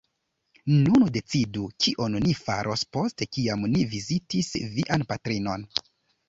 Nun decidu, kion ni faros, post kiam ni vizitis vian patrinon?